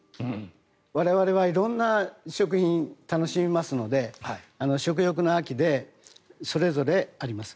我々は色んな食品を楽しみますので食欲の秋で、それぞれあります。